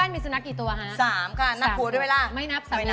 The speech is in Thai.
โอ้อันนี้ง่ายเอาอะไรคือเอาไงตอบอะไรดี